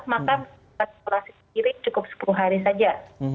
maka melakukan isolasi sendiri cukup sepuluh hari saja